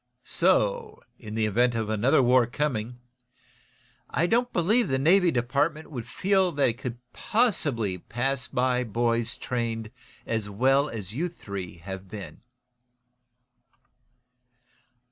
So, in the event of another war coming, I don't believe the Navy Department would feel that it could possibly pass by boys trained as well as you three have been."